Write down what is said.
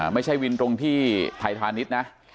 ไม่ใช่วินตรงที่ไทยพาณิชย์นะ